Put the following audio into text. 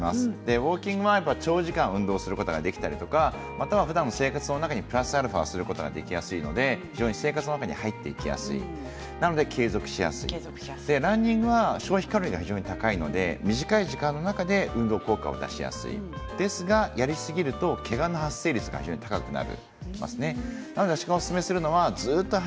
ウォーキングも長時間運動をすることができたりふだんの生活の中にプラスアルファできやすいので生活の中で入っていきやすいし継続しやすいランニングは消費カロリーが非常に高いので、短い時間で運動効果が出やすいでもやりすぎるとけがの発生率が高くなるんですね。